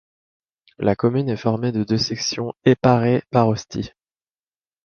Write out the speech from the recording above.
La commune est formée de deux sections éparées par Hosty.